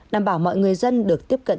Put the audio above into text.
đảm bảo mọi người dân được tiếp cận